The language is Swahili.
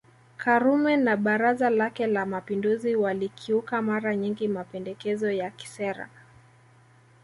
Karume na Baraza lake la Mapinduzi walikiuka mara nyingi mapendekezo ya kisera